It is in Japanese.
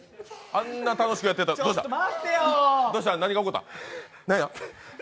あんな楽しくやってたのに何が起こった？